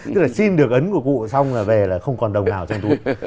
tức là xin được ấn của cụ xong là về là không còn đồng nào trong túi